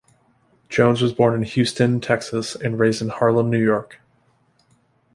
Jones was born in Houston, Texas and raised in Harlem, New York.